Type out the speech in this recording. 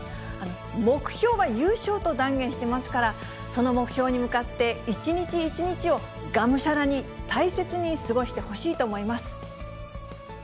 目標は優勝と断言してますから、その目標に向かって、一日一日をがむしゃらに、大切に過ごしてほしいと思います。